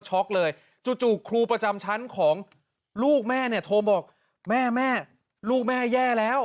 เลยจู่ครูประจำชั้นของลูกแม่เนี่ยโทรบอกแม่แม่ลูกแม่แย่แล้ว